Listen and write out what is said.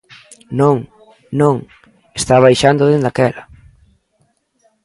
Non, non, está baixando desde aquela.